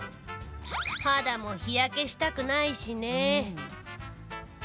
肌も日焼けしたくないしね。